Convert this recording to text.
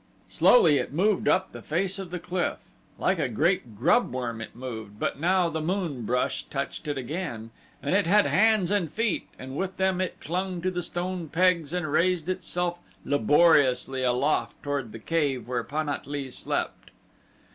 Slowly it moved up the face of the cliff like a great grubworm it moved, but now the moon brush touched it again and it had hands and feet and with them it clung to the stone pegs and raised itself laboriously aloft toward the cave where Pan at lee slept.